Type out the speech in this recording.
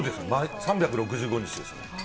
３６５日ですね。